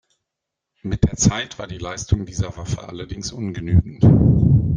Mit der Zeit war die Leistung dieser Waffe allerdings ungenügend.